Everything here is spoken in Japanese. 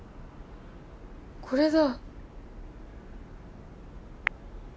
これだ！